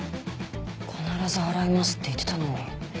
「必ず払います」って言ってたのに。